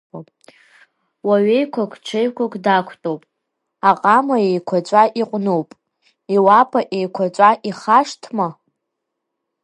Уаҩеиқәак ҽеиқәак дақәтәоуп, аҟама еиқәаҵәа иҟәнуп, иуапа еиқәаҵәа ихашҭма…